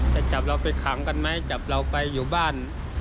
จะจับเราไปขังกันไหมจับเราไปอยู่บ้าน